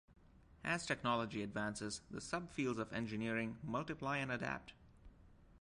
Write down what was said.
As technology advances, the subfields of engineering multiply and adapt.